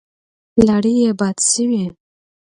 لاړې يې باد شوې.